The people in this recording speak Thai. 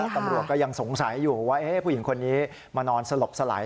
ตำรวจก็ยังสงสัยอยู่ว่าผู้หญิงคนนี้มานอนสลบสลาย